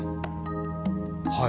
はい